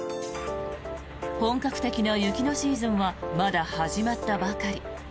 本格的な雪のシーズンはまだ始まったばかり。